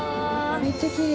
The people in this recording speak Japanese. めっちゃきれい。